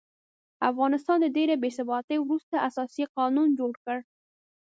افغانستان د ډېرې بې ثباتۍ وروسته اساسي قانون جوړ کړ.